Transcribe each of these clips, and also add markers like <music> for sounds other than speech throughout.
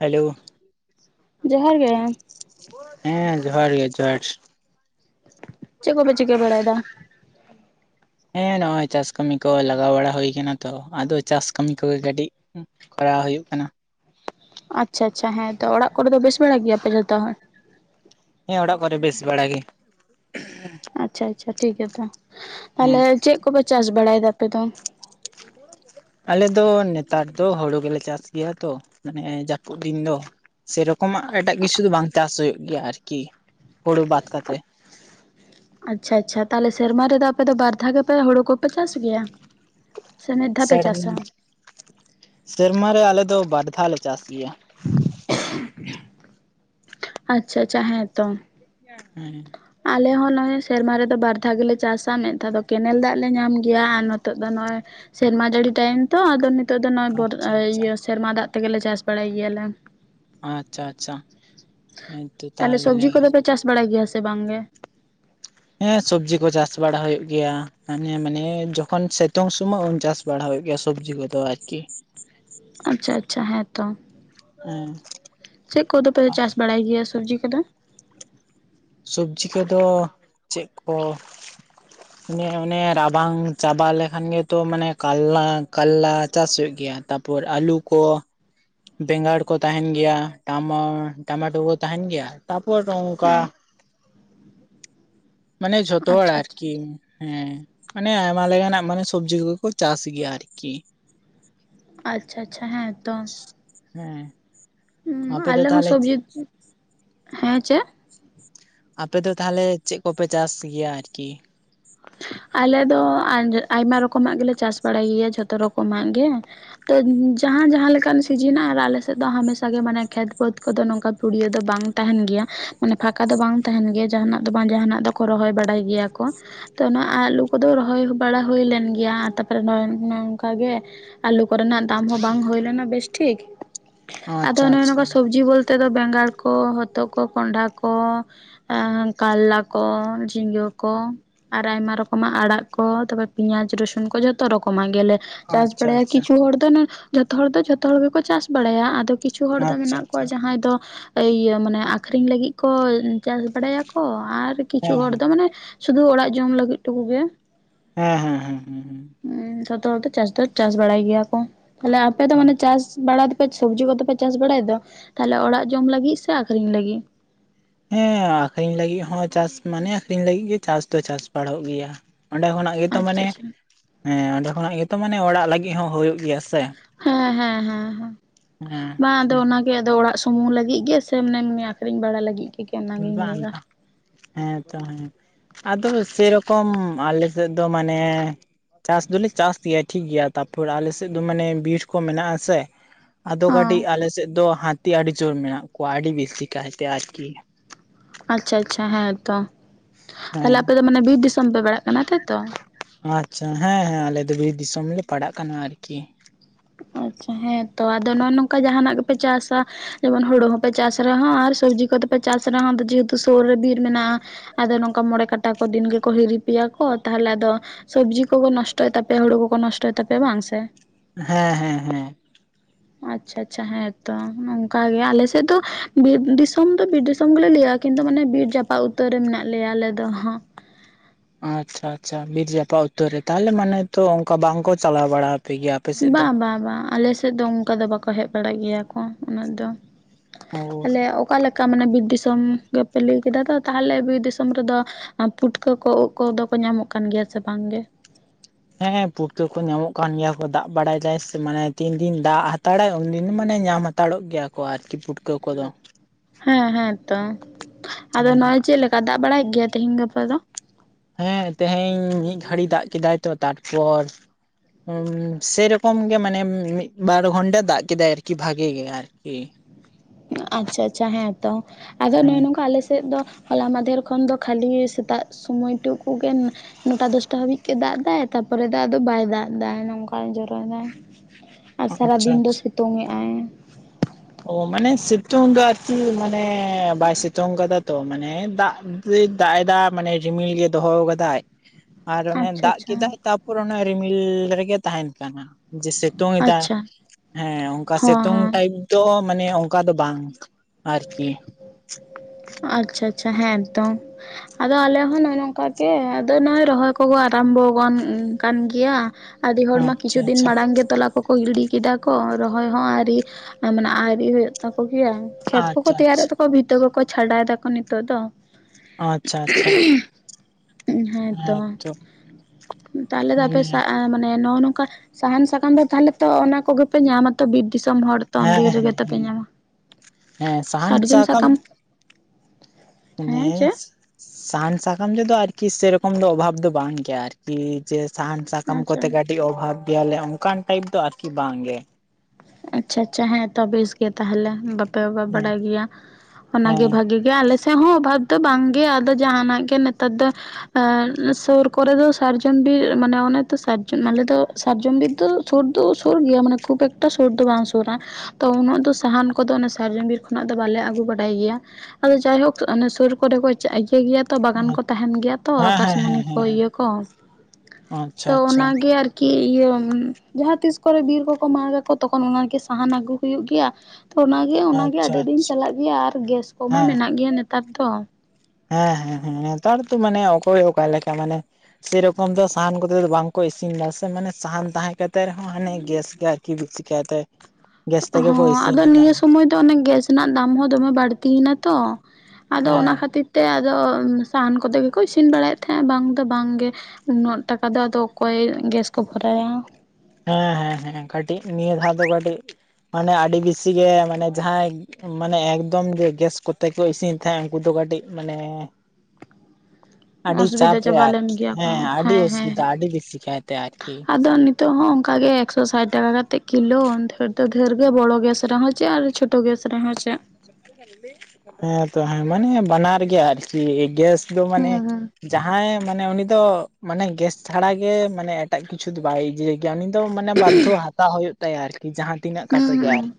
Hello ᱡᱚᱦᱟᱨ ᱜᱮ ᱦᱮᱸ ᱡᱚᱦᱟᱨ ᱜᱮ ᱡᱚᱦᱟᱨ ᱪᱮᱫ ᱠᱚᱯᱮ ᱪᱤᱠᱟᱹ ᱵᱟᱲᱟᱭ ᱫᱟ? ᱦᱮᱸ ᱱᱚᱜᱼᱚᱭ ᱪᱟᱥ ᱠᱟᱹᱢᱤ ᱠᱚ ᱞᱟᱜᱟᱣ ᱵᱟᱲᱟ ᱦᱩᱭ ᱠᱟᱱᱟ ᱛᱚ ᱟᱫᱚ ᱪᱟᱥ ᱠᱟᱹᱢᱤ ᱠᱚᱜᱮ ᱠᱟᱹᱴᱤᱡ ᱠᱚᱨᱟᱣ ᱦᱩᱭᱩᱜ ᱠᱟᱱᱟ ᱟᱪᱪᱷᱟ ᱟᱪᱪᱷᱟ ᱦᱮᱸ ᱛᱚ ᱚᱲᱟᱜ ᱠᱚᱨᱮ ᱫᱚ ᱵᱮᱥ ᱵᱟᱲᱟ ᱜᱮᱭᱟᱯᱮ ᱡᱷᱚᱛᱚ ᱦᱚᱲ? ᱦᱮᱸ ᱚᱲᱟᱜ ᱠᱚᱨᱮ ᱵᱮᱥ ᱵᱟᱲᱟ ᱜᱮ᱾ ᱟᱪᱪᱷᱟ ᱟᱪᱪᱷᱟ ᱴᱷᱤᱠ ᱜᱮᱭᱟ ᱛᱚ᱾ ᱦᱮᱸ ᱛᱟᱦᱞᱮ ᱪᱮᱫ ᱠᱚᱯᱮ ᱪᱟᱥ ᱵᱟᱲᱟᱭᱮᱫᱟ ᱟᱯᱮ ᱫᱚ? <inaudible> ᱟᱞᱮ ᱫᱚ ᱱᱮᱛᱟᱨ ᱫᱚ ᱦᱩᱲᱩ ᱜᱮᱞᱮ ᱪᱟᱥ ᱜᱮᱭᱟ ᱛᱚ ᱢᱟᱱᱮ ᱡᱟᱹᱯᱩᱫ ᱫᱤᱱ ᱫᱚ᱾ ᱥᱮᱨᱚᱠᱚᱢᱟᱜ ᱮᱴᱟᱜ ᱠᱤᱪᱷᱩ ᱫᱚ ᱵᱟᱝ ᱪᱟᱥ ᱦᱩᱭᱩᱜ ᱜᱮᱭᱟ ᱟᱨᱠᱤ ᱦᱩᱲᱩ ᱵᱟᱫ ᱠᱟᱛᱮᱜ ᱟᱪᱪᱷᱟ ᱟᱪᱪᱷᱟ ᱛᱟᱦᱞᱮ ᱥᱮᱨᱢᱟ ᱨᱮᱫᱚ ᱟᱯᱮ ᱫᱚ ᱵᱟᱨ ᱫᱷᱟᱣ ᱜᱮᱯᱮ ᱦᱩᱲᱩ ᱠᱚᱯᱮ ᱪᱟᱥ ᱜᱮᱭᱟ ᱥᱮ ᱢᱤᱫ ᱫᱷᱟᱣ ᱯᱮ ᱥᱮᱲᱮᱢ ᱪᱟᱥᱟ? ᱥᱮᱨᱢᱟ ᱨᱮ ᱟᱞᱮ ᱫᱚ ᱵᱟᱨ ᱫᱷᱟᱣ ᱞᱮ ᱪᱟᱥ ᱜᱮᱭᱟ᱾ ᱟᱪᱪᱷᱟ ᱟᱪᱪᱷᱟ ᱦᱮᱸ ᱛᱚ ᱦᱩᱸ ᱟᱞᱮ ᱦᱚᱸ ᱱᱚᱜᱼᱚᱭ ᱥᱮᱨᱢᱟ ᱨᱮᱫᱚ ᱵᱟᱨ ᱫᱷᱟᱣ ᱜᱮᱞᱮ ᱪᱟᱥᱟ ᱢᱤᱫ ᱫᱷᱟᱣ ᱫᱚ ᱠᱮᱱᱮᱞ ᱫᱟᱜ ᱞᱮ ᱧᱟᱢ ᱜᱮᱭᱟ ᱟᱨ ᱱᱤᱛᱚᱜ ᱫᱚ ᱱᱚᱜᱼᱚᱭ ᱥᱮᱨᱢᱟ ᱡᱟᱹᱲᱤ ᱴᱟᱭᱤᱢ ᱛᱚ ᱟᱫᱚ ᱱᱤᱛᱚᱜ ᱫᱚ ᱱᱚᱜ ᱵᱚᱨ ᱟᱪᱪᱷᱟ ᱳᱭ ᱟᱪᱪᱷᱟ ᱤᱭᱟᱹ ᱥᱮᱨᱢᱟ ᱫᱟᱜ ᱛᱮᱜᱮᱞᱮ ᱪᱟᱥ ᱵᱟᱲᱟᱭ ᱜᱮᱭᱟᱞᱮ ᱟᱪᱪᱷᱟ ᱟᱪᱪᱷᱟ ᱦᱮᱸᱛᱚ ᱛᱟᱦᱚᱞᱮ ᱥᱚᱵᱽᱡᱤ ᱠᱚᱫᱚ ᱯᱮ ᱪᱟᱥ ᱵᱟᱲᱟᱭ ᱜᱮᱭᱟ ᱥᱮ ᱵᱟᱝᱜᱮ? ᱦᱮᱸ ᱥᱚᱵᱡᱤ ᱠᱚ ᱪᱟᱥ ᱵᱟᱲᱟ ᱦᱩᱭᱩᱜ ᱜᱮᱭᱟ ᱦᱟᱱᱮ ᱢᱟᱱᱮ ᱡᱚᱠᱷᱚᱱ ᱥᱤᱛᱩᱝ ᱥᱩᱢᱚᱭ ᱩᱱ ᱪᱟᱥ ᱵᱟᱲᱟ ᱦᱩᱭᱩᱜ ᱜᱮᱭᱟ ᱥᱚᱵᱽᱡᱤ ᱠᱚᱫᱚ ᱟᱨᱠᱤ ᱾ ᱟᱪᱪᱷᱟ ᱟᱪᱪᱷᱟ ᱦᱮᱸ ᱛᱚ ᱾ ᱦᱮᱸ ᱾ ᱪᱮᱫ ᱠᱚᱫᱚᱯᱮ ᱪᱟᱥ ᱵᱟᱲᱟᱭ ᱜᱮᱭᱟ ᱥᱚᱵᱡᱤ ᱠᱚᱫᱚ? ᱥᱚᱵᱡᱤ ᱠᱚᱫᱚ ᱪᱮᱫ ᱠᱚ <inaudible> ᱚᱱᱮ ᱚᱱᱮ ᱨᱟᱵᱟᱝ ᱪᱟᱵᱟ ᱞᱮᱠᱷᱟᱱ ᱜᱮᱛᱚ ᱢᱟᱱᱮ ᱠᱟᱞᱞᱟ ᱠᱟᱞᱞᱟ ᱪᱟᱥ ᱦᱩᱭᱩᱜ ᱜᱮᱭᱟ, ᱛᱟᱯᱚᱨ ᱟᱞᱩ ᱠᱚ, ᱵᱮᱸᱜᱟᱲ ᱠᱚ ᱛᱟᱦᱮᱱ ᱜᱮᱭᱟ ᱴᱟᱢᱟ ᱴᱟᱢᱟᱴᱳ ᱠᱚ ᱛᱟᱦᱮᱱ ᱜᱮᱭᱟ ᱛᱟᱯᱚᱨ ᱚᱱᱠᱟ ᱦᱮᱸ ᱢᱟᱱᱮ ᱡᱚᱛᱚ ᱦᱚᱲ ᱟᱪᱪᱷᱟ ᱟᱨᱠᱤ ᱦᱮᱸ ᱢᱟᱱᱮ ᱟᱭᱢᱟ ᱞᱮᱠᱟᱱᱟᱜ ᱢᱟᱱᱮ ᱥᱚᱵᱽᱡᱤ ᱠᱚᱠᱚ ᱪᱟᱥ ᱜᱮᱭᱟ ᱟᱨᱠᱤ ᱾ ᱟᱪᱪᱷᱟ ᱟᱪᱪᱷᱟ ᱦᱮᱸ ᱛᱚ ᱾ ᱦᱮᱸ ᱾ ᱦᱢᱢ ᱟᱞᱮ ᱦᱚᱸ ᱥᱚᱵᱽᱡᱤ, ᱦᱮᱸ ᱪᱮᱫ? ᱟᱯᱮ ᱫᱚ ᱛᱟᱦᱚᱞᱮ ᱪᱮᱫ ᱠᱚᱯᱮ ᱪᱟᱥ ᱜᱮᱭᱟ ᱟᱨᱠᱤ? ᱟᱞᱮ ᱫᱚ ᱟᱸᱡ ᱟᱭᱢᱟ ᱨᱚᱠᱚᱢᱟᱜ ᱜᱮᱞᱮ ᱪᱟᱥ ᱵᱟᱲᱟᱭ ᱜᱮᱭᱟ ᱡᱚᱛᱚ ᱨᱚᱠᱚᱢᱟᱜ ᱜᱮ ᱛᱚ ᱡᱟᱦᱟᱸ ᱡᱟᱦᱟᱸ ᱞᱮᱠᱟᱱ ᱥᱤᱡᱤᱱᱟ ᱟᱨ ᱟᱞᱮᱥᱮᱫ ᱫᱚ ᱦᱟᱢᱮᱥᱟ ᱜᱮ ᱢᱟᱱᱮ ᱠᱷᱮᱛ ᱵᱟᱹᱫᱽ ᱠᱚᱫᱚ ᱱᱚᱝᱠᱟᱼᱼ ᱯᱩᱲᱭᱟᱹ ᱫᱚ ᱵᱟᱝ ᱛᱟᱦᱮᱱ ᱜᱮᱭᱟ ᱢᱟᱱᱮ ᱯᱷᱟᱠᱟ ᱫᱚ ᱵᱟᱝ ᱛᱟᱦᱮᱱ ᱜᱮᱭᱟ ᱡᱟᱦᱟᱱᱟᱜ ᱫᱚ ᱵᱟᱝ ᱡᱟᱦᱟᱱᱟᱜ ᱫᱚᱠᱚ ᱨᱚᱦᱚᱭ ᱵᱟᱲᱟᱭ ᱜᱮᱭᱟ ᱠᱚ ᱛᱚ ᱱᱟᱜ ᱟᱹᱞᱩ ᱠᱚᱫᱚ ᱨᱚᱦᱚᱭ ᱵᱟᱲᱟ ᱦᱩᱭ ᱞᱮᱱ ᱜᱮᱭᱟ ᱛᱟᱯᱚᱨᱮ ᱱᱚᱜᱼᱚᱭ ᱱᱚᱝᱠᱟ ᱜᱮ ᱟᱹᱞᱩ ᱠᱚᱨᱮᱱᱟᱜ ᱫᱟᱢ ᱦᱚᱸ ᱵᱟᱝ ᱦᱩᱭ ᱞᱮᱱᱟ ᱵᱮᱥ ᱴᱷᱤᱠ ᱟᱫᱚ ᱟᱪᱪᱷᱟ ᱱᱚᱜᱼᱚᱭ ᱟᱪᱪᱷᱟ ᱱᱚᱝᱠᱟ ᱥᱚᱵᱽᱡᱤ ᱵᱚᱞᱛᱮ ᱫᱚ ᱵᱮᱸᱜᱟᱲ ᱠᱚ, ᱦᱚᱛᱚᱫ ᱠᱚ, ᱠᱚᱸᱰᱷᱟ ᱠᱚ, ᱮᱸ ᱠᱟᱞᱞᱟ ᱠᱚ, ᱡᱷᱤᱸᱜᱟᱹ ᱠᱚ ᱟᱨ ᱟᱭᱢᱟ ᱨᱚᱠᱚᱢᱟᱜ ᱟᱲᱟᱜ ᱠᱚ ᱛᱟᱯᱚᱨ ᱯᱮᱸᱭᱟᱡ ᱨᱚᱥᱩᱱ ᱠᱚ ᱡᱚᱛᱚ ᱨᱚᱠᱚᱢᱟᱜ ᱜᱮᱞᱮ ᱪᱟᱥ ᱟᱪᱪᱷᱟ ᱵᱟᱲᱟᱭᱟ ᱟᱪᱪᱷᱟ ᱠᱤᱪᱩ ᱦᱚᱲ ᱫᱚ ᱡᱚᱛᱚ ᱦᱚᱲ ᱫᱚ ᱡᱚᱛᱚ ᱦᱚᱲ ᱜᱮᱠᱚ ᱪᱟᱥ ᱵᱟᱲᱟᱭᱟ ᱟᱫᱚ ᱠᱤᱪᱷᱩ ᱦᱚᱲ ᱫᱚ ᱟᱪᱪᱷᱟ ᱢᱮᱱᱟᱜ ᱠᱚᱣᱟ ᱟᱪᱪᱷᱟ ᱡᱟᱦᱟᱸᱦᱭ ᱫᱚ ᱤᱭᱟᱹ ᱢᱟᱱᱮ ᱟᱠᱷᱨᱤᱧ ᱞᱟᱹᱜᱤᱫ ᱠᱚ ᱪᱟᱥ ᱵᱟᱲᱟᱭᱟᱠᱚ ᱟᱨ ᱠᱤᱪᱷᱩ ᱦᱮᱸ ᱦᱚᱲ ᱫᱚ ᱢᱟᱱᱮ ᱥᱩᱫᱩ ᱚᱲᱟᱜ ᱡᱚᱢ ᱞᱟᱹᱜᱤᱫ ᱴᱩᱠᱩ ᱜᱮ ᱾ ᱦᱮᱸ ᱦᱮᱸ ᱦᱮᱸ ᱦᱮᱸ ᱦᱮᱸ ᱡᱚᱛᱚ ᱦᱚᱲ ᱫᱚ ᱪᱟᱥ ᱫᱚ ᱪᱟᱥ ᱵᱟᱲᱟᱭ ᱜᱮᱭᱟ ᱠᱚ, ᱛᱟᱦᱞᱮ ᱟᱯᱮ ᱫᱚ ᱢᱟᱱᱮ ᱪᱟᱥ ᱵᱟᱲᱟ ᱟᱯᱮ ᱥᱚᱵᱽᱡᱤ ᱠᱚᱫᱚᱯᱮ ᱪᱟᱥ ᱵᱟᱲᱟᱭᱮᱫ ᱫᱚ ᱛᱟᱦᱚᱞᱮ ᱚᱲᱟᱜ ᱡᱚᱢ ᱞᱟᱹᱜᱤᱫᱤᱫ ᱥᱮ ᱟᱠᱷᱨᱤᱤᱧ ᱞᱟᱹᱜᱤᱫ? ᱦᱮᱸ ᱟᱠᱷᱨᱤᱧ ᱞᱟᱹᱜᱤᱫ ᱦᱚᱸ ᱪᱟᱥ ᱢᱟᱱᱮ ᱟᱠᱷᱨᱤᱧ ᱞᱟᱹᱜᱤᱫ ᱜᱮ ᱪᱟᱥ ᱫᱚ ᱪᱟᱥ ᱵᱟᱲᱚᱜ ᱜᱮᱭᱟ ᱾ ᱚᱸᱰᱮ ᱠᱷᱚᱱᱟᱜ ᱜᱮᱛᱚ ᱟᱪᱪᱷᱟ ᱢᱟᱱᱮ ᱟᱪᱪᱷᱟ ᱦᱮᱸ ᱚᱸᱰᱮ ᱠᱷᱚᱱᱟᱜ ᱜᱮᱛᱚ ᱢᱟᱱᱮ ᱚᱲᱟᱜ ᱞᱟᱹᱜᱤᱫ ᱦᱚᱸ ᱦᱩᱭᱩᱜ ᱜᱮᱭᱟ ᱥᱮ ᱦᱮᱸ ᱦᱮᱸ ᱦᱮᱸ ᱦᱮᱸ ᱵᱟᱝ ᱟᱫᱚ ᱦᱮᱸ ᱚᱱᱟᱜᱮ ᱟᱫᱚ ᱚᱲᱟᱜ ᱥᱩᱢᱩᱝ ᱞᱟᱹᱜᱤᱫ ᱜᱮ ᱥᱮ ᱢᱟᱱᱮ ᱟᱹᱠᱷᱨᱤᱧ ᱵᱟᱲᱟ ᱞᱟᱹᱜᱤᱫ ᱜᱮ ᱚᱱᱟᱜᱤᱧ ᱵᱟᱝ ᱞᱟᱹᱭᱫᱟ ᱵᱟᱝ ᱦᱮᱸᱛᱚ ᱦᱮᱸ ᱟᱫᱚ ᱥᱮᱨᱮᱠᱚᱢ ᱟᱞᱮ ᱥᱮᱫ ᱫᱚ ᱢᱟᱱᱮ ᱪᱟᱥ ᱫᱚᱞᱮ ᱪᱟᱥ ᱜᱮᱭᱟ ᱴᱷᱤᱠ ᱜᱮᱭᱟ ᱛᱟᱯᱚᱨ ᱟᱞᱮᱥᱮᱫ ᱫᱚ ᱢᱟᱱᱮ ᱵᱤᱨ ᱠᱚ ᱢᱮᱱᱟᱜᱼᱟ ᱥᱮ ᱟᱫᱚ ᱦᱚᱸ ᱠᱟᱹᱴᱤᱡ ᱟᱞᱮ ᱥᱮᱫ ᱫᱚ ᱦᱟᱹᱛᱤ ᱟᱹᱰᱤ ᱡᱩᱨ ᱢᱮᱱᱟᱜ ᱠᱚᱣᱟ ᱟᱹᱰᱤ ᱵᱮᱥᱤ ᱠᱟᱭᱛᱮ ᱟᱨᱠᱤ ᱾ ᱟᱪᱪᱷᱟ ᱟᱪᱪᱷᱟ ᱦᱮᱸᱛᱚ, ᱛᱟᱦᱞᱮ ᱦᱮᱸ ᱟᱯᱮ ᱫᱚ ᱢᱟᱱᱮ ᱵᱤᱨ ᱫᱤᱥᱚᱢ ᱯᱮ ᱯᱲᱟᱜ ᱠᱟᱱᱟ ᱛᱟᱭᱛᱚ? ᱟᱪᱪᱷᱟ ᱦᱮᱸ ᱦᱮᱸ ᱟᱞᱮ ᱫᱚ ᱵᱤᱨ ᱫᱤᱥᱚᱢᱞᱮ ᱯᱟᱲᱟᱜ ᱠᱟᱱᱟ ᱟᱨᱠᱤ ᱾ ᱟᱪᱪᱷᱟ ᱦᱮᱸᱛᱚ ᱟᱫᱚ ᱱᱚᱜ ᱱᱚᱝᱠᱟ ᱡᱟᱦᱱᱟᱜ ᱜᱮᱯᱮ ᱪᱟᱥᱟ ᱡᱮᱢᱚᱱ ᱦᱩᱲᱩ ᱦᱚᱸᱯᱮ ᱪᱟᱥ ᱨᱮᱦᱚᱸ ᱟᱨ ᱥᱚᱵᱽᱡᱤ ᱠᱚᱫᱚᱯᱮ ᱪᱟᱥ ᱨᱮᱚᱸ ᱡᱮᱦᱩᱛᱩ ᱥᱩᱨ ᱨᱮ ᱵᱤᱨ ᱢᱮᱱᱟᱜᱼᱟ ᱟᱫᱚ ᱱᱚᱝᱠᱟ ᱢᱚᱬᱮ ᱠᱟᱴᱟ ᱠᱚ ᱫᱤᱱ ᱜᱮᱠᱚ ᱦᱤᱨᱤ ᱯᱮᱭᱟ ᱠᱚ ᱛᱟᱦᱚᱞᱮ ᱟᱫᱚ ᱥᱚᱵᱽᱡᱤ ᱠᱚᱠᱚ ᱱᱚᱥᱴᱚᱭᱮᱫ ᱛᱟᱯᱮᱭᱟ ᱦᱩᱲᱩ ᱠᱚᱠᱚ ᱱᱚᱥᱴᱚᱭᱮᱫ ᱛᱟᱯᱮᱭᱟ ᱵᱟᱝ ᱥᱮ? ᱦᱮᱸ ᱦᱮᱸ ᱦᱮᱸ ᱾ ᱟᱪᱪᱷᱟ ᱟᱪᱪᱷᱟ ᱦᱮᱸᱛᱚ, ᱱᱚᱝᱠᱟ ᱜᱮ ᱟᱞᱮ ᱥᱮᱫ ᱫᱚ ᱵᱤᱨ ᱫᱤᱥᱚᱢ ᱫᱚ ᱵᱤᱨ ᱫᱤᱥᱚᱢ ᱜᱮᱞᱮ ᱞᱟᱹᱭᱟ ᱾ ᱠᱤᱱᱛᱩ ᱢᱟᱱᱮ ᱵᱤᱨ ᱡᱟᱯᱟᱜ ᱩᱛᱟᱹᱨ ᱨᱮ ᱢᱮᱱᱟᱜ ᱞᱮᱭᱟ ᱟᱞᱮ ᱫᱚ ᱦᱚᱸ ᱾ ᱟᱪᱪᱷᱟ ᱟᱪᱪᱷᱟ, ᱵᱤᱨ ᱡᱟᱯᱟᱜ ᱩᱛᱚᱨ ᱨᱮ ᱛᱟᱦᱚᱞᱮ ᱢᱟᱱᱮ ᱛᱚ ᱚᱱᱠᱟ ᱵᱟᱝᱠᱚ ᱪᱟᱞᱟᱣ ᱵᱟᱲᱟᱯᱮ ᱜᱮᱭᱟ ᱾ ᱵᱟᱝ ᱵᱟᱝ ᱵᱟᱝ, ᱟᱞᱮ ᱥᱮᱫ ᱫᱚ ᱚᱝᱠᱟ ᱫᱚ ᱵᱟᱠᱚ ᱦᱮᱡ ᱵᱟᱲᱟᱜ ᱜᱮᱭᱟ ᱠᱚ ᱩᱱᱟᱹᱜ ᱫᱚ ᱾ ᱾ ᱚ ᱛᱟᱦᱚᱞᱮ ᱚᱠᱟᱞᱮᱠᱟ ᱢᱟᱱᱮ ᱵᱤᱨ ᱫᱤᱥᱚᱢ ᱜᱮᱯᱮ ᱞᱟᱹᱭ ᱠᱮᱫᱟ ᱛᱚ ᱛᱟᱦᱚᱞᱮ ᱵᱤᱨ ᱫᱤᱥᱚᱢ ᱨᱮᱫᱚᱼᱼ ᱯᱩᱴᱠᱟᱹ ᱠᱚ ᱳᱠ ᱠᱚᱫᱚ ᱠᱚ ᱧᱟᱢᱚᱜ ᱠᱟᱱ ᱜᱮᱭᱟ ᱥᱮ ᱵᱟᱝ ᱜᱮ? ᱦᱮᱸ ᱦᱮᱸ ᱯᱩᱠᱟᱹ ᱠᱚ ᱧᱟᱢᱚᱜ ᱠᱟᱱ ᱜᱮᱭᱟ ᱠᱚ ᱫᱟᱜ ᱵᱟᱲᱟᱭ ᱫᱟᱭ ᱥᱮ, ᱢᱟᱱᱮ ᱛᱤᱱ ᱫᱤᱱ ᱫᱟᱜ ᱦᱟᱛᱟᱲᱟᱭ ᱩᱱᱫᱤᱱ ᱢᱟᱱᱮ ᱧᱟᱢ ᱦᱟ ᱛᱟᱲᱚᱜ ᱜᱮᱭᱟ ᱠᱚ ᱟᱨᱠᱤ ᱯᱩᱴᱠᱟᱹ ᱠᱚᱫᱚ ᱾ ᱦᱮᱸ ᱦᱮᱸ ᱛᱚ, ᱟᱫᱚ ᱦᱮᱸ ᱱᱚᱜᱼᱚᱭ ᱪᱮᱫ ᱞᱮᱠᱟ ᱫᱟᱜ ᱵᱟᱲᱟᱭᱮᱜ‌ ᱜᱮᱭᱟ ᱛᱮᱦᱮᱧ ᱜᱟᱯᱟ ᱫᱚ? ᱦᱮᱸ ᱛᱮᱦᱮᱧ ᱢᱤᱜ ᱜᱷᱟᱹᱲᱤ ᱫᱟᱜ ᱠᱮᱫᱟᱭ ᱛᱚ ᱛᱟᱨᱯᱚᱨᱼᱼ ᱥᱮᱨᱚᱠᱚᱢ ᱜᱮ ᱢᱟᱱᱮ ᱢᱤᱜ ᱵᱟᱨ ᱜᱷᱚᱱᱴᱟ ᱫᱟᱜ ᱠᱮᱫᱟᱭ ᱟᱨᱠᱤ ᱵᱷᱟᱜᱮ ᱜᱮ ᱾ ᱟᱨ ᱠᱤᱼᱼ ᱟᱪᱪᱷᱟ ᱟᱪᱪᱷᱟ ᱦᱮᱸᱛᱚ, ᱟᱫᱚ ᱱᱚᱜᱼᱚ ᱦᱮᱸ ᱱᱚᱝᱠᱟ ᱟᱞᱮ ᱥᱮᱫ ᱫᱚᱼᱼ ᱦᱚᱞᱟ ᱢᱟᱦᱫᱷᱮᱨ ᱠᱷᱚᱱ ᱫᱚ ᱠᱷᱟᱹᱞᱤ ᱥᱮᱛᱟᱜ ᱥᱚᱢᱚᱭ ᱴᱩᱠᱩ ᱜᱮᱼᱼ ᱱᱚᱴᱟ ᱫᱚᱥᱴᱟ ᱦᱟᱹᱵᱤᱡ ᱜᱮ ᱫᱟᱜ ᱫᱟᱭ ᱛᱟᱨᱯᱚᱨᱮ ᱫᱚ ᱟᱫᱚ ᱵᱟᱭ ᱫᱟᱜᱫᱟ ᱱᱚᱝᱠᱟᱭ ᱡᱚᱨᱚᱭ ᱫᱟᱭ ᱾ ᱟᱨ ᱟᱪᱪᱷᱟ ᱥᱟᱨᱟᱫᱤᱱ ᱫᱚ ᱟᱪᱪᱷᱟ ᱥᱤᱛᱳᱝ ᱮᱜᱼᱟᱭ ᱾ ᱚ ᱢᱟᱱᱮ ᱥᱤᱛᱳᱝ ᱫᱚ ᱟᱨᱠᱤ ᱢᱟᱱᱮ ᱵᱟᱭ ᱥᱤᱛᱳᱝ ᱠᱟᱫᱟ ᱛᱚ ᱢᱟᱱᱮ ᱫᱟᱜᱼᱼ ᱛᱤᱥ ᱫᱟᱜ ᱮᱫᱟ ᱢᱟᱱᱮ ᱨᱤᱢᱤᱞ ᱜᱮ ᱫᱚᱦᱚ ᱠᱟᱫᱟᱭ ᱾ <unintelligible> ᱟᱨ ᱚᱱᱮ ᱟᱪᱪᱷᱟ ᱫᱟᱜ ᱟᱪᱪᱷᱟ ᱠᱮᱫᱟᱭ, ᱛᱟᱯᱚᱨ ᱚᱱᱮ ᱨᱤᱢᱤᱞ ᱨᱮᱜᱮ ᱛᱟᱦᱮᱱ ᱠᱟᱱᱟ ᱾ ᱡᱮ ᱥᱮᱛᱳᱝ ᱮᱫᱟᱭ ᱟᱪᱪᱷᱟ ᱦᱮᱸ ᱚᱝᱠᱟ ᱦᱚᱸ ᱥᱮᱛᱳᱝ ᱦᱚᱸ ᱴᱟᱭᱤᱢᱼᱼ ᱛᱚ ᱢᱟᱱᱮ ᱚᱝᱠᱟ ᱫᱚ ᱵᱟᱝ ᱟᱨᱠᱤ ᱾ ᱟᱪᱪᱷᱟ ᱟᱪᱪᱷᱟ, ᱦᱮᱸ ᱛᱚ ᱾ ᱟᱫᱚ ᱟᱞᱮ ᱦᱚᱸ ᱱᱚᱜᱼᱚ ᱱᱚᱝᱠᱟ ᱜᱮ ᱟᱫᱚ ᱱᱚᱜᱼᱚᱭ ᱨᱚᱦᱚᱭ ᱠᱚᱜᱚ ᱟᱨᱟᱢᱵᱚ ᱠᱚᱱ ᱠᱟᱱ ᱜᱮᱭᱟ ᱾ ᱟᱹᱰᱤ ᱦᱚᱲᱢᱟ ᱠᱤᱪᱷᱩ ᱟᱪᱪᱷᱟ ᱫᱤᱱ ᱟᱪᱪᱷᱟ ᱢᱟᱲᱟᱝ ᱜᱮ ᱛᱚᱞᱟᱼᱼ ᱠᱚ ᱠᱚ ᱜᱤᱲᱤ ᱠᱮᱫᱟ ᱠᱚ, ᱨᱚᱦᱚᱭ ᱦᱚᱸ ᱟᱹᱣᱨᱤ ᱢᱟᱱᱮ ᱟᱹᱣᱨᱤ ᱦᱩᱭᱩᱜ ᱛᱟᱠᱚ ᱜᱮᱭᱟ ᱾ ᱠᱷᱮᱛ ᱠᱚᱠᱚ ᱟᱪᱪᱷᱟ ᱛᱮᱭᱟᱨ ᱮᱛ ᱛᱟᱠᱚᱣᱟ, ᱵᱷᱤᱛᱟᱹ ᱠᱚᱠᱚ ᱪᱷᱟᱰᱟᱭ ᱫᱟᱠᱚ ᱱᱤᱛᱚᱜ ᱫᱚ ᱾ ᱟᱪᱪᱷᱟ ᱟᱪᱪᱷᱟ ᱾ ᱦᱮᱸᱛᱚ, ᱛᱟᱦᱚᱞᱮ ᱫᱚ ᱟᱯᱮ ᱢᱟᱱᱮ ᱥᱟᱜ ᱢᱟᱱᱮ ᱱᱚᱜᱼᱚ ᱱᱚᱝᱠᱟᱼᱼ ᱥᱟᱦᱟᱱ ᱥᱟᱠᱟᱢ ᱫᱚ ᱛᱟᱦᱚᱞᱮ ᱛᱚ ᱚᱱᱟ ᱠᱚᱜᱮ ᱯᱮ ᱧᱟᱢᱟ ᱛᱚ ᱵᱤᱨ ᱫᱤᱥᱚᱢ ᱦᱚᱲ ᱾ ᱛᱚ ᱵᱤᱨ ᱦᱮᱸ ᱨᱮᱜᱮ ᱦᱮᱸ ᱛᱚᱯᱮ ᱦᱮᱸ ᱧᱟᱢᱟ ᱦᱮᱸ ᱥᱟᱦᱟᱱ ᱥᱟᱨᱡᱚᱢ ᱥᱟᱠᱟᱢ ᱾ ᱩᱱᱮᱥᱼᱼ ᱥᱟᱦᱟᱱ ᱥᱟᱠᱟᱢ ᱛᱮᱫᱚ ᱟᱨᱠᱤ ᱥᱮᱨᱚᱠᱚᱢ ᱫᱚ ᱚᱵᱷᱟᱵ ᱫᱚ ᱵᱟᱝ ᱜᱮᱭᱟ ᱟᱨᱠᱤ ᱡᱮ ᱥᱟᱦᱟᱱᱼᱼ ᱥᱟᱠᱟᱢ ᱟᱪᱪᱷᱟ ᱠᱚᱛᱮᱜ ᱠᱟᱹᱴᱤᱡ ᱚᱵᱷᱟᱵ ᱜᱮᱭᱟᱞᱮ ᱚᱝᱠᱟᱱ ᱴᱟᱭᱤᱯ ᱫᱚ ᱟᱨᱠᱤ ᱵᱟᱝᱜᱮ ᱾ ᱟᱪᱪᱷᱟ ᱟᱪᱪᱷᱟ ᱦᱮᱸᱛᱚ ᱵᱮᱥ ᱜᱮ ᱛᱟᱦᱚᱞᱮ, ᱵᱟᱯᱮ ᱚᱵᱷᱟᱵ ᱦᱮᱸ ᱵᱟᱲᱟᱭ ᱜᱮᱭᱟ ᱚᱱᱟᱜᱮ ᱦᱮᱸ ᱵᱷᱟᱜᱤ ᱾ ᱟᱞᱮ ᱥᱮᱫ ᱦᱚᱸ ᱚᱵᱷᱟᱵ ᱫᱚ ᱵᱟᱝ ᱜᱮ ᱟᱫᱚ ᱡᱟᱦᱟᱸ ᱱᱟᱜ ᱜᱮ ᱱᱮᱛᱟᱨ ᱫᱚᱼᱼ ᱮᱸ ᱥᱳᱨ ᱠᱚᱨᱮ ᱫᱚ ᱥᱟᱨᱡᱚᱢ ᱵᱤᱨ ᱢᱟᱱᱮ ᱚᱱᱮ ᱛᱚ ᱥᱟᱨᱡᱚᱢ ᱟᱞᱮ ᱫᱚᱼᱼ ᱥᱟᱨᱡᱚᱢ ᱵᱤᱨ ᱫᱚ ᱥᱮᱨ ᱫᱚ ᱥᱩᱪᱨ ᱜᱮᱭᱟ ᱢᱟᱱᱮ ᱠᱷᱩᱵ ᱮᱠ ᱴᱟ ᱥᱩᱨ ᱫᱚ ᱵᱟᱝ ᱥᱩᱨᱟ, ᱛᱚ ᱩᱱᱟᱹᱜ ᱫᱚ ᱥᱟᱦᱟᱱ ᱠᱚᱫᱚ ᱚᱱᱮ ᱥᱟᱨᱡᱚᱢ ᱵᱤᱨ ᱠᱷᱚᱱᱟᱜ ᱫᱚ ᱵᱟᱞᱮ ᱟᱹᱜᱩ ᱵᱟᱲᱟᱭ ᱜᱮᱭᱟ ᱾ ᱟᱫᱚ ᱡᱟᱭᱦᱳᱠ ᱚᱱᱮ ᱥᱩᱨ ᱠᱚᱨᱮ ᱠᱚᱡᱼᱼ ᱪᱟᱜ ᱤᱭᱟᱹᱭ ᱜᱮᱭᱟ ᱛᱚ, ᱵᱟᱜᱟᱱ ᱦᱮᱸ ᱠᱚ ᱛᱟᱦᱮᱱ ᱜᱮᱭᱟ ᱛᱚ ᱦᱮᱸ ᱦᱮᱸ ᱟᱠᱟᱥᱢᱩᱱᱤ ᱠᱚ ᱦᱮᱸ ᱦᱮᱸ ᱤᱭᱟᱹ ᱠᱚ ᱾ ᱟᱪᱪᱷᱟ ᱟᱪᱪᱷᱟ ᱾ ᱠᱤ ᱤᱭᱟᱹ ᱡᱟᱦᱟᱸ ᱛᱤᱥ ᱠᱚᱨᱮ ᱵᱤᱨ ᱠᱚᱠᱚ ᱢᱟᱜᱟ ᱾ ᱠᱚ ᱛᱚᱠᱷᱚᱱ ᱚᱱᱟ ᱜᱮ ᱥᱟᱦᱟᱱ ᱟᱹᱜᱩ ᱦᱩᱭᱩᱜ ᱜᱮᱭᱟ ᱛᱚ ᱚᱱᱟ ᱜᱮᱭᱟ ᱚᱱᱟᱜᱮ ᱟᱪᱪᱷᱟ ᱟᱹᱰᱤ ᱫᱤᱱ ᱟᱪᱪᱷᱟ ᱪᱟᱞᱟᱜ ᱜᱮᱭᱟ ᱟᱨ ᱜᱮᱥ ᱠᱚᱢᱟ ᱦᱮᱸ ᱢᱮᱱᱟᱜ ᱜᱮᱭᱟ ᱱᱮᱛᱟᱨ ᱫᱚ᱾ ᱦᱮᱸ ᱦᱮᱸ ᱦᱮᱸ ᱦᱮᱛᱟᱨ ᱫᱚ ᱢᱟᱱᱮ ᱚᱠᱚᱭ ᱚᱠᱟ ᱞᱮᱠᱟ ᱢᱟᱱᱮ ᱥᱮᱨᱚᱠᱚᱢ ᱫᱚ ᱥᱟᱦᱟᱱ ᱠᱚᱛᱮ ᱫᱚ ᱵᱟᱝᱠᱚ ᱤᱥᱤᱱ ᱫᱟ ᱥᱮ ᱢᱟᱱᱮ ᱥᱟᱦᱟᱱ ᱛᱟᱦᱮᱸ ᱠᱟᱛᱮ ᱨᱮᱦᱚᱸ ᱦᱟᱱᱮ ᱜᱮᱥ ᱜᱮ ᱟᱨᱠᱤ ᱵᱤᱥᱤ ᱠᱟᱭᱛᱮ ᱜᱮᱥ ᱛᱮᱜᱮ ᱠᱚ ᱤᱥᱤᱱᱮᱫᱟ ᱾ ᱛᱚ ᱚᱱᱮ ᱜᱮᱥ ᱨᱮᱱᱟᱜ ᱫᱟᱢ ᱦᱚᱸ ᱫᱚᱢᱮ ᱵᱟᱹᱲᱛᱤᱭᱮᱱᱟ ᱛᱚ, ᱟᱫᱚ ᱚᱱᱟ ᱦᱮᱸ ᱠᱷᱟᱹᱛᱤᱨ ᱛᱮ ᱟᱫᱚ ᱥᱟᱦᱟᱱ ᱠᱚᱛᱮ ᱜᱮᱠᱚ ᱤᱥᱤᱱ ᱵᱟᱲᱟᱭᱮᱜ ᱛᱟᱦᱮᱸᱜ ᱵᱟᱝ ᱫᱚ ᱵᱟᱝ ᱜᱮ᱾ ᱩᱱᱟᱹᱜ ᱴᱟᱠᱟ ᱫᱚ ᱟᱫᱚ ᱚᱠᱚᱭ ᱜᱮᱥ ᱠᱚ ᱵᱷᱚᱨᱟᱭᱟ᱾ ᱦᱮᱸ ᱦᱮᱸ ᱦᱮᱸ ᱠᱟᱹᱴᱤᱡ ᱱᱤᱭᱟᱹ ᱫᱷᱟᱣ ᱫᱚ ᱠᱟᱹᱴᱤᱡ ᱢᱟᱱᱮ ᱟᱹᱰᱤ ᱵᱤᱥᱤ ᱜᱮ ᱢᱟᱱᱮ ᱡᱟᱦᱟᱸᱭ ᱢᱟᱱᱮ ᱮᱠᱫᱚᱢ ᱜᱮ ᱜᱮᱥ ᱠᱚᱛᱮ ᱠᱚ ᱤᱥᱤᱱ ᱛᱟᱦᱮᱸ ᱩᱝᱠᱩ ᱫᱚ ᱠᱟᱹᱴᱤᱡ ᱢᱟᱱᱮ <inaudible> ᱟᱹᱰᱤ ᱚᱥᱩᱵᱤᱫᱟ ᱪᱟᱯ ᱨᱮ ᱪᱟᱵᱟ ᱞᱮᱢ ᱟᱨᱠᱤ ᱜᱮᱭᱟ ᱠᱚ, ᱟᱹᱰᱤ ᱦᱮᱸ ᱦᱮᱸ ᱚᱥᱩᱵᱤᱫᱟ ᱦᱮᱸ ᱟᱹᱰᱤ ᱵᱮᱥᱤ ᱠᱟᱭᱛᱮ ᱟᱨᱠᱤ ᱟᱫᱚ ᱱᱤ ᱛᱳᱜ ᱦᱚᱸ ᱚᱱᱠ ᱜᱮ ᱮᱠᱥᱚ ᱥᱟᱴ ᱴᱟᱠᱟ ᱠᱟᱛᱮᱫ ᱠᱤᱞᱳ ᱰᱷᱮᱨ ᱫᱚ ᱰᱷᱮᱨ ᱜᱮ ᱵᱚᱲᱚ ᱜᱮᱥ ᱨᱮᱦᱚᱸ ᱪᱮᱫ ᱟᱨ ᱪᱷ ᱴᱳ ᱜᱮᱥ ᱨᱮᱦᱚᱸ ᱪᱮᱫ᱾ ᱦᱮᱸ ᱛᱚ ᱦᱮᱸ ᱢᱟᱱᱮ ᱵᱟᱱᱟᱨ ᱜᱮᱭᱟ ᱟᱨᱠᱤ ᱜᱮᱥ ᱫᱚ ᱦᱩᱸ ᱢᱟᱱᱮ ᱦᱩᱸ ᱡᱟᱦᱟᱸᱭ ᱢᱟᱱᱮ ᱩᱱᱤ ᱫᱚ ᱢᱟᱱᱮ ᱜᱮᱥ ᱪᱷᱟᱲᱟ ᱜᱮ ᱢᱟᱱᱮ ᱮᱴᱟᱜ ᱠᱤᱪᱷᱩ ᱫᱚ ᱵᱟᱭ ᱤᱭᱟᱹᱭ ᱜᱮᱭᱟ ᱩᱱᱤ ᱫᱚ ᱢᱟᱱᱮ ᱵᱟᱫᱽᱫᱷᱚ ᱦᱟᱛᱟᱣ ᱦᱩᱭᱩᱜ ᱛᱟᱭᱟ ᱟᱨᱠᱤ ᱡᱟᱦᱟᱸ ᱛᱤᱱᱟᱹᱜ ᱦᱩᱸ ᱠᱟᱛᱮ ᱜᱮ ᱟᱨ ᱦᱩᱸ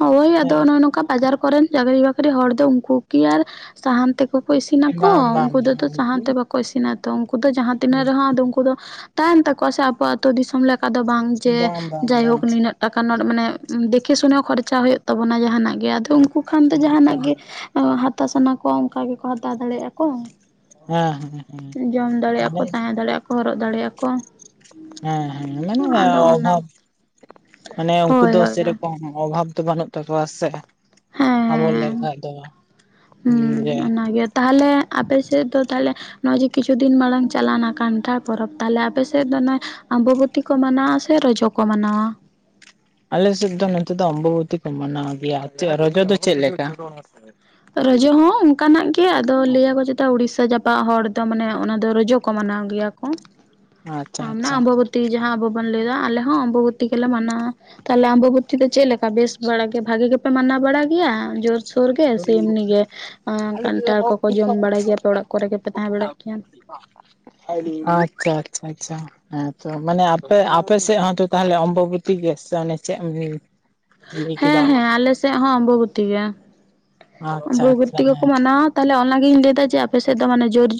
ᱦᱳᱭ ᱟᱫᱚ ᱱᱚᱜ-ᱚᱭ ᱱᱚᱝᱠᱟ ᱵᱟᱡᱟᱨ ᱠᱚᱨᱮᱱ ᱪᱟᱹᱠᱨᱤ ᱵᱟᱹᱠᱨᱤ ᱦᱚᱲ ᱫᱚ ᱩᱱᱠᱩ ᱠᱤ ᱟᱨ ᱥᱟᱦᱟᱱ ᱛᱮ ᱠᱩ ᱠᱚ ᱦᱮᱸ ᱤᱥᱤᱱᱟᱠᱚ ᱵᱟᱝ ᱵᱟᱝ ᱩᱱᱠᱩ ᱫᱚᱛᱚ ᱥᱟᱦᱟᱱ ᱛᱮ ᱵᱟᱠᱚ ᱤᱥᱤᱱᱟ ᱛᱚ ᱩᱱᱠᱩ ᱫᱚ ᱡᱟᱦᱟᱸ ᱛᱤᱱᱟᱹᱜ ᱨᱮᱦᱚᱸ ᱟᱫᱚ ᱩᱱᱠᱩ ᱫᱚ ᱛᱟᱦᱮᱱ ᱛᱟᱠᱚᱣᱟ ᱥᱮ ᱟᱵᱚ ᱟᱛᱳ ᱫᱤᱥᱚᱢ ᱞᱮᱠᱟ ᱫᱚ ᱵᱟᱝ ᱡᱮ ᱵᱟᱝ ᱵᱟᱝ ᱡᱟᱭᱦᱳᱠ ᱵᱟᱝ ᱱᱤᱱᱟᱹᱜ ᱴᱟᱠᱟ ᱱᱚᱴ ᱢᱟᱱᱮ ᱫᱮᱠᱷᱮ ᱥᱩᱱᱮ ᱦᱚᱸ ᱠᱷᱚᱨᱪᱟ ᱦᱩᱭᱩᱜ ᱛᱟᱵᱚᱱᱟ ᱡᱟᱦᱟᱱᱟᱜ ᱜᱮ ᱟᱫᱚ ᱩᱱᱠᱩ ᱠᱷᱟᱱ ᱫᱚ ᱡᱟᱦᱟᱱᱟᱜ ᱜᱮ ᱮᱸᱦᱟᱛᱟᱣ ᱥᱟᱱᱟ ᱠᱚᱣᱟ ᱚᱱᱠᱟ ᱜᱮᱠᱚ ᱦᱟᱛᱟᱣ ᱫᱟᱲᱮᱭᱟᱜᱼᱟ ᱠᱚ᱾ ᱦᱮᱸ ᱦᱮᱸ ᱦᱮᱸ ᱡᱚᱢ ᱫᱟᱲᱮᱭᱟᱜᱼᱟ ᱠᱚ ᱢᱟᱱᱮ ᱛᱟᱦᱮᱸ ᱫᱟᱲᱮᱭᱟᱜᱼᱟ ᱠᱚ ᱦᱚᱨᱚᱜ ᱫᱟᱲᱮᱭᱟᱜᱼᱟ ᱠᱚ᱾ ᱦᱮᱸ ᱦᱮᱸ ᱢᱟᱱᱮ ᱟᱫᱚ ᱚᱱᱟ ᱚᱵᱷᱟᱵ ᱢᱟᱱᱮ ᱩᱱᱠᱩ ᱦᱳᱭ ᱫᱚ ᱦᱳᱭ ᱦᱳᱭ ᱥᱮᱨᱚᱠᱚᱢ ᱚᱵᱷᱟᱵ ᱫᱚ ᱵᱟᱹᱱᱩᱜ ᱛᱟᱠᱚᱣᱟ ᱥᱮ, ᱦᱮᱸ ᱟᱵᱚ ᱦᱮᱸ ᱞᱮᱠᱷᱟ ᱫᱚ ᱡᱮ ᱦᱩᱸ ᱚᱱᱟᱜᱮ ᱛᱟᱦᱚᱞᱮ ᱟᱯᱮ ᱥᱮᱫ ᱫᱚ ᱛᱟᱦᱚᱞᱮ ᱱᱚᱜᱼᱚᱭ ᱡᱮ ᱠᱤᱪᱷᱩ ᱫᱤᱱ ᱢᱟᱲᱟᱝ ᱪᱟᱞᱟᱣᱱᱟ ᱠᱟᱱᱴᱷᱟᱲ ᱯᱚᱨᱚᱵᱽ ᱛᱟᱦᱚᱞᱮ ᱟᱯᱮ ᱥᱮᱫ ᱫᱚ ᱱᱚᱜᱼᱚᱭ ᱚᱢᱵᱚᱵᱚ ᱛᱤ ᱠᱚ ᱢᱟᱱᱟᱣᱟ ᱥᱮ ᱨᱚᱡᱚ ᱠᱚ ᱢᱟᱱᱟᱣᱟ? ᱟᱞᱮ ᱥᱮᱫ ᱫᱚ ᱱᱚᱛᱮ ᱫᱚ ᱚᱢᱵᱚᱵᱚᱛᱤ ᱠᱚ ᱢᱟᱱᱟᱣ ᱜᱮᱭᱟ, ᱪᱮᱫ ᱨᱚᱡᱚ ᱫᱚ ᱪᱮᱫ ᱞᱮᱠᱟ? ᱨᱚᱡᱚ ᱦᱚᱸ ᱚᱱᱠᱟᱱᱟᱜ ᱜᱮ ᱟᱫᱚ ᱞᱟᱹᱭᱟᱠᱚ ᱡᱮ ᱴᱟ ᱩᱲᱤᱥᱥᱟ ᱡᱟᱯᱟᱜ ᱦᱚᱲ ᱫᱚ ᱢᱟᱱᱮ ᱚᱱᱟ ᱫᱚ ᱨᱚᱡᱚ ᱠᱚ ᱢᱟᱱᱟᱣ ᱜᱮᱭᱟ ᱠᱚ, ᱟᱪᱪᱷᱟ ᱢᱟᱱᱮ ᱟᱪᱪᱷᱟ ᱟᱢᱵᱚ ᱛᱤ ᱡᱟᱦᱟᱸ ᱟᱵᱚ ᱵᱚᱱ ᱞᱟᱹᱭᱫᱟ ᱟᱞᱮ ᱦᱚᱸ ᱚᱢᱵᱚᱵᱚᱛᱤ ᱜᱮᱞᱮ ᱢᱟᱱᱟᱣᱟ᱾ ᱛᱟᱦᱞᱮ ᱟᱢᱵᱚᱵᱚᱛᱤ ᱫᱚ ᱪᱮᱫ ᱞᱮᱠᱟ ᱵᱮᱥ ᱵᱟᱲᱟ ᱜᱮ ᱵᱷᱟᱜᱮ ᱜᱮᱯᱮ ᱢᱟᱱᱟᱣ ᱵᱟᱲᱟᱭ ᱜᱮᱭᱟ ᱡᱳᱨᱥᱳᱨ ᱜᱮ? ᱥᱮ ᱮᱢᱱᱤ ᱜᱮ, ᱮᱸ ᱠᱟᱱᱴᱷᱟᱲ ᱠᱚᱠᱚ ᱡᱚᱢ ᱵᱟᱲᱟᱭ ᱜᱮᱭᱟ ᱯᱮ ᱚᱲᱟᱜ ᱠᱚᱨᱮ ᱜᱮᱯᱮ ᱛᱟᱦᱮᱸ ᱵᱟᱲᱟᱜ ᱜᱮᱭᱟ᱾ ᱟᱪᱪᱷᱟ ᱟᱪᱪᱷᱟ ᱟᱪᱪᱷᱟ᱾ ᱦᱮᱸ ᱛᱚ ᱢᱟᱱᱮ ᱟᱯᱮ ᱟᱯᱮ ᱥᱮᱫ ᱦᱚᱸᱛᱚ ᱛᱟᱦᱚᱞᱮ ᱚᱢᱵᱚᱵᱚᱛᱤ ᱜᱮ ᱥᱮ ᱪᱮᱫ ᱮᱢᱱᱤ? ᱦᱮᱸ ᱦᱮᱸ ᱟᱞᱮ ᱥᱮᱫ ᱦᱚᱸ ᱟᱢᱵᱚᱵᱚᱛᱤ ᱜᱮ, ᱟᱪᱪᱷᱟ ᱟᱪᱪᱷᱟ ᱟᱢᱵᱚᱵᱚᱛᱤ ᱜᱮᱠᱚ ᱦᱮᱸ ᱢᱟᱱᱟᱣᱟ᱾ ᱛᱟᱦᱚᱞᱮ ᱚᱱᱟᱜᱤᱧ ᱞᱟᱹᱭᱮᱫᱟ ᱡᱮ ᱟᱯᱮ ᱥᱮᱫ ᱫᱚ ᱢᱟᱱᱮ ᱡᱳᱨ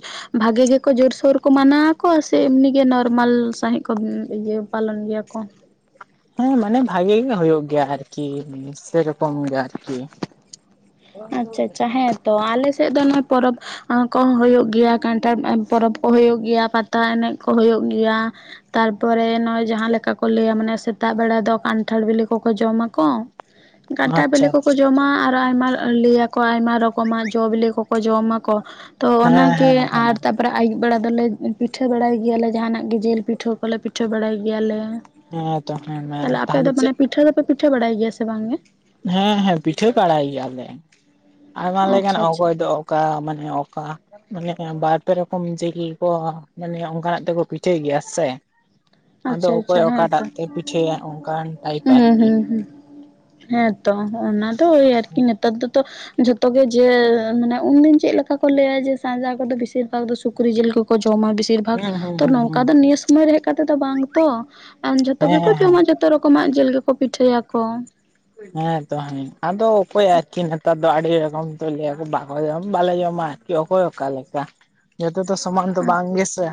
ᱵᱷᱟᱜᱮ ᱜᱮᱠᱚ ᱡᱳᱨᱥᱳᱨ ᱠᱚ ᱢᱟᱱᱟᱣᱟᱠᱚ ᱥᱮ ᱮᱢᱱᱤ ᱜᱮ ᱱᱚᱨᱢᱟᱞ ᱥᱟᱺᱦᱤᱡ ᱠᱚ ᱤᱭᱟᱹ ᱯᱟᱞᱚᱱ ᱜᱮᱭᱟ ᱠᱚ? ᱦᱮᱸ ᱢᱟᱱᱮ ᱵᱷᱟᱜᱮ ᱜᱮ ᱦᱩᱭᱩᱜ ᱜᱮᱭᱟ ᱟᱨᱠᱤ, ᱥᱮᱨᱚᱠᱚᱢ ᱜᱮ ᱟᱨᱠᱤ᱾ ᱟᱪᱪᱷᱟ ᱟᱪᱪᱷᱟ ᱦᱮᱸ ᱛᱚ ᱟᱞᱮ ᱥᱮᱫ ᱫᱚ ᱱᱚᱜ-ᱣᱟ ᱯᱚᱨᱚᱵᱽ ᱠᱚᱦᱚᱸ ᱦᱩᱭᱩᱜ ᱜᱮᱭᱟ, ᱠᱟᱱᱴᱷᱟᱲ ᱯᱚᱨᱚᱵᱽ ᱠᱚ ᱦᱩᱭᱩᱜ ᱜᱮᱭᱟ, ᱯᱟᱛᱟ ᱮᱱᱮᱡ ᱠᱚ ᱦᱩᱭᱩᱜ ᱜᱮᱭᱟ᱾ ᱛᱟᱨᱯᱚᱨᱮ ᱚᱱᱟ ᱡᱟᱦᱟᱸ ᱞᱮᱠᱟ ᱠᱚ ᱞᱟᱹᱭᱟ ᱢᱟᱱᱮ ᱥᱮᱛᱟᱜ ᱵᱮᱲᱟ ᱫᱚ ᱠᱟᱱᱴᱷᱟᱲ ᱵᱤᱞᱤ ᱠᱚᱠᱚ ᱡᱚᱢᱟᱠᱚ, ᱠᱟᱱᱴᱟᱲ ᱵᱤᱞᱤ ᱟᱪᱪᱷᱟ ᱟᱪᱪᱷᱟ ᱠᱚᱠᱚ ᱡᱚᱢᱟ ᱟᱨ ᱟᱭᱢᱟ ᱞᱟᱹᱭᱟᱠᱚ ᱟᱭᱢᱟ ᱨᱚᱠᱚᱢᱟᱜ ᱡᱚ ᱵᱤᱞᱤ ᱠᱚᱠᱚ ᱡᱚᱢᱟᱠᱚ᱾ ᱛᱚ ᱦᱮᱸ ᱚᱱᱟᱜᱮ ᱦᱮᱸ ᱦᱮᱸ ᱟᱨ ᱛᱟᱯᱚᱨᱮ ᱟᱹᱭᱩᱵ ᱵᱮᱲᱟ ᱫᱚᱞᱮ ᱯᱤᱴᱷᱟᱹ ᱵᱟᱲᱟᱭ ᱜᱮᱭᱟᱞᱮ ᱡᱟᱦᱟᱸᱱᱟᱜ ᱜᱮ ᱡᱤᱞ ᱯᱤᱴᱷᱟᱹ ᱠᱚᱞᱮ ᱯᱤᱴᱷᱟᱹ ᱵᱟᱲᱟᱭ ᱜᱮᱭᱟᱞᱮ᱾ ᱦᱮᱸ ᱛᱚ ᱦᱮᱸ ᱟᱯᱮ ᱛᱟᱦᱞᱮ ᱫᱚ ᱪᱮᱜ ᱢᱟᱱᱮ ᱯᱤᱴᱷᱟᱹ ᱯᱤᱴᱷᱟᱹ ᱵᱟᱲᱟᱭ ᱜᱮᱭᱟ ᱥᱮ ᱵᱟᱝ ᱜᱮ ᱦᱮᱸ ᱦᱮᱸ ᱯᱤᱴᱷᱟᱹ ᱵᱟᱲᱟᱭ ᱜᱮᱭᱟᱞᱮ ᱟᱭᱢᱟ ᱞᱮᱠᱟᱱ ᱟᱪᱪᱷᱟ ᱟᱪᱪᱷᱟ ᱚᱠᱚᱭ ᱫᱚ ᱚᱠᱟ ᱢᱟᱱᱮ ᱚᱠᱟ ᱢᱟᱱᱮ ᱵᱟᱨ ᱯᱮ ᱨᱚᱠᱚᱢ ᱡᱤᱞ ᱠᱚ ᱢᱟᱱᱮ ᱚᱱᱠᱟᱱᱟᱜ ᱛᱮᱠᱚ ᱯᱤᱴᱷᱟᱹᱭ ᱜᱮᱭᱟ ᱥᱮ, ᱟᱫᱚ ᱟᱪᱪᱷᱟ ᱚᱠᱚᱭ ᱟᱪᱪᱷᱟ ᱦᱮᱸ ᱚᱠᱟᱴᱟᱜ ᱛᱚ ᱛᱮ ᱯᱤᱴᱷᱟᱹᱭᱟ ᱚᱱᱠᱟᱱ ᱴᱟᱭᱤᱯ ᱦᱩᱸ ᱟᱨᱠᱤ᱾ ᱦᱩᱸ ᱦᱩᱸ ᱦᱮᱸᱛᱚ ᱚᱱᱟ ᱫᱚ ᱳᱭ ᱟᱨᱠᱤ ᱱᱮᱛᱟᱨ ᱫᱚᱛᱚ ᱡᱷᱚ ᱛᱚ ᱡᱮ ᱢᱟᱱᱮ ᱩᱱᱫᱤᱱ ᱪᱮᱫ ᱞᱮᱠᱟ ᱠᱚ ᱞᱟᱹᱭᱟ ᱡᱮ ᱥᱟᱡᱟ ᱠᱚᱫᱚ ᱵᱤᱥᱤᱨ ᱵᱷᱟᱜᱽ ᱫᱚ ᱥᱩᱠᱨᱤ ᱡᱤᱞ ᱠᱚᱠᱚ ᱡᱚᱢᱟ ᱵᱤᱥᱤᱨ ᱵᱷᱟᱜ ᱦᱩᱸ ᱦᱩᱸ ᱛᱚ ᱦᱩᱸ ᱱᱚᱝᱠᱟ ᱦᱩᱸ ᱫᱚ ᱱᱤᱭᱟᱹ ᱩᱢᱟᱹᱨ ᱦᱮᱡ ᱠᱟᱛᱮᱜ ᱫᱚ ᱵᱟᱝ ᱛᱚ ᱟᱨ ᱡᱷᱚᱛᱚ ᱦᱮᱸ ᱜᱮᱠᱚ ᱦᱮᱸ ᱦᱮᱸ ᱡᱚᱢᱟ ᱡᱷᱚᱛᱚ ᱨᱚᱠᱚᱢᱟᱜ ᱡᱤᱞ ᱜᱮᱠᱚ ᱯᱤᱴᱷᱟᱹᱭᱟᱠᱚ᱾ ᱦᱮᱸᱛᱚ ᱦᱮᱸ ᱟᱫᱚ ᱚᱠᱚᱭ ᱟᱨᱠᱤ ᱱᱮᱛᱟᱨ ᱫᱚ ᱟᱹᱰᱤ ᱨᱚᱠᱚᱢ ᱛ ᱞᱟᱹᱭᱟᱠᱚ ᱵᱟᱠᱚ ᱡᱚᱢᱟ ᱵᱟᱞᱮ ᱡᱚᱢᱟ᱾ ᱠᱤ ᱚᱠᱚᱭ ᱚᱠᱟ ᱞᱮᱠᱟ ᱡᱷᱚᱛᱚ ᱛᱚ ᱥᱚᱢᱟᱱ ᱫᱚ ᱦᱮᱸ ᱵᱟᱝ ᱜᱮᱥᱮ,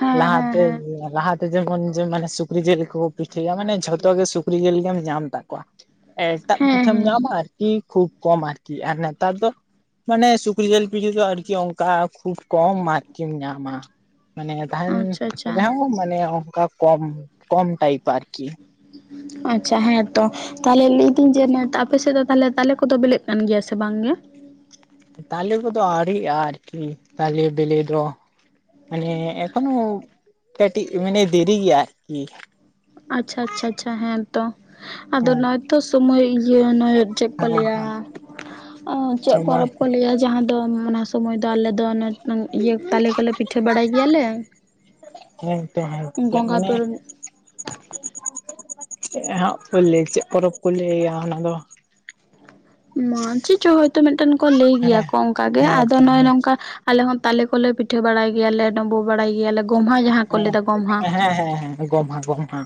ᱦᱮᱸ ᱦᱮᱸ ᱞᱟᱦᱟᱛᱮ ᱦᱮᱸ ᱞᱟᱦᱟᱛᱮ ᱡᱮᱢᱚᱱ ᱢᱟᱱᱮ ᱥᱩᱠᱨᱤ ᱡᱤᱞ ᱠᱚᱠᱚ ᱯᱤᱴᱷᱟᱹᱭᱟ ᱢᱟᱱᱮ ᱡᱷᱚᱛᱚ ᱜᱮ ᱥᱩᱠᱨᱤ ᱡᱤᱞ ᱜᱮᱢ ᱧᱟᱢ ᱛᱟᱠᱚᱣᱟ᱾ ᱮᱴᱟᱜ ᱯᱤᱴᱷᱟᱹᱢ ᱦᱮᱸ ᱧᱟᱢᱟ ᱟᱨᱠᱤ ᱠᱷᱩᱵ ᱠᱚᱢ ᱟᱨᱠᱤ ᱟᱨ ᱱᱮᱛᱟᱨ ᱫᱚ ᱢᱟᱱᱮ ᱥᱩᱠᱨᱤ ᱡᱤᱞ ᱯᱤᱴᱷᱤ ᱫᱚ ᱟᱨᱠᱤ ᱚᱱᱠᱟ ᱠᱷᱩᱵ ᱠᱚᱢ ᱟᱨᱠᱤᱢ ᱧᱟᱢᱟ᱾ ᱢᱟᱱᱮ ᱛᱟᱦᱮᱸᱱ ᱟᱪᱪᱷᱟ ᱟᱪᱪᱷᱟ ᱨᱮᱦᱚᱸ ᱢᱟᱱᱮ ᱚᱱᱠᱟ ᱠᱚᱢ ᱠᱚᱢ ᱴᱟᱭᱤᱯ ᱟᱨᱠᱤ᱾ ᱟᱪᱪᱷᱟ ᱦᱮᱸᱛᱚ᱾ ᱛᱟᱦᱚᱞᱮ ᱞᱟᱹᱭᱫᱟᱹᱧ ᱡᱮ ᱟᱯᱮ ᱥᱮᱫ ᱫᱚ ᱛᱟᱦᱞᱮ ᱛᱟᱞᱮ ᱠᱚᱫᱚ ᱵᱞᱮᱜ ᱠᱟᱱ ᱜᱮᱭᱟ ᱥᱮ ᱵᱟᱝᱜᱮ? ᱛᱟᱞᱮ ᱠᱚᱫᱚ ᱟᱣᱨᱤᱭᱜᱼᱟ ᱟᱨᱠᱤ ᱛᱟᱞᱮ ᱵᱮᱤᱞᱮ ᱫᱚ᱾ ᱢᱟᱱᱮ ᱮᱠᱷᱚᱱᱳ ᱠᱟᱹᱴᱤᱡ ᱢᱟᱱᱮ ᱫᱮᱨᱤ ᱜᱮᱭᱟ ᱟᱨᱠᱤ᱾ ᱟᱪᱪᱷᱟ ᱟᱪᱪᱷᱟ ᱪᱷᱟ ᱦᱮᱸᱛᱚ ᱟᱫᱚ ᱦᱮᱸ ᱱᱚᱜᱼᱚᱭ ᱛᱚ ᱥᱚᱢᱚᱭ ᱤᱭᱟᱹ ᱱᱚᱜᱼᱚᱭ ᱪᱮᱫ ᱠᱚ ᱦᱮᱸ ᱞᱟᱹᱭᱟ ᱦᱮᱸ ᱪᱮᱫ ᱥᱚᱢᱚᱭ ᱯᱚᱨᱚᱵᱽ ᱠᱚ ᱞᱟᱹᱭᱟ ᱡᱮ ᱡᱟᱦᱟᱸ ᱫᱚ ᱚᱱᱟ ᱥᱚᱢᱚᱭ ᱫᱚ ᱟᱞᱮ ᱫᱚ ᱤᱭᱟᱹ ᱛᱟᱞᱮ ᱠᱚᱞᱮ ᱯᱤᱴᱷᱟᱹ ᱵᱟᱲᱟᱭ ᱜᱮᱭᱟᱞᱮ᱾ ᱦᱮᱸᱛᱚ ᱦᱮᱸᱛᱚ ᱪᱮᱫ ᱜᱚᱸᱜᱷᱟ ᱢᱟᱱᱮ ᱯᱚᱨᱚᱵᱽ ᱦᱟᱸᱜ ᱠᱚ ᱞᱟᱹᱭ ᱪᱮᱫ ᱯᱚᱨᱚᱵᱽ ᱠᱚ ᱞᱟᱹᱭᱟ ᱚᱱᱟ ᱫᱚ ᱢᱟ ᱪᱮᱫ ᱪᱚ ᱦᱭᱛᱳ ᱢᱤᱫᱴᱮᱱ ᱠᱚ ᱞᱟᱹᱭ ᱦᱮᱸ ᱜᱮᱭᱟ ᱠᱚ ᱚᱝᱠᱟᱜ ᱜᱮ ᱦᱮᱸ ᱟᱫᱚ ᱱᱚᱜᱼᱚᱭ ᱛᱟᱦᱚᱞᱮ ᱱᱚᱝᱠᱟ ᱟᱞᱮ ᱦᱚᱸ ᱛᱟᱞᱮ ᱠᱚᱞᱮ ᱯᱤᱴᱷᱟᱹ ᱵᱟᱲᱟᱭ ᱜᱮᱭᱟᱞᱮ ᱰᱩᱢᱵᱩᱜ ᱵᱟᱲᱟᱭ ᱜᱮᱭᱟᱞᱮ ᱜᱚᱢᱦᱟ ᱡᱟᱦᱟᱸ ᱠᱚ ᱞᱟᱹᱭ ᱫᱟ ᱜᱚᱢᱦᱟ᱾ ᱦᱮᱸ ᱦᱮᱸ ᱦᱮᱸ᱾ ᱜᱚᱢᱦᱟ ᱜᱚᱢᱦᱟ᱾